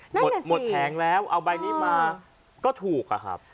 แน่นอนสิหมดแผงแล้วก็ถูกอะครับ